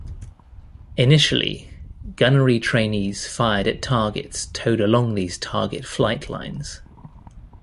Initially, gunnery trainees fired at targets towed along these target flight lines.